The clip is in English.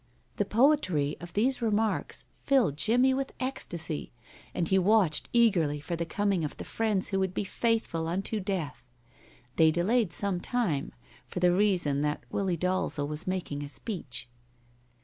The poetry of these remarks filled Jimmie with ecstasy, and he watched eagerly for the coming of the friends who would be faithful unto death. They delayed some time, for the reason that Willie Dalzel was making a speech.